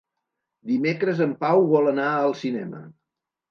Dimecres en Pau vol anar al cinema.